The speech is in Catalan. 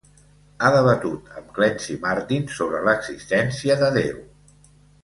Ha debatut amb Clancy Martin sobre l'existència de Déu.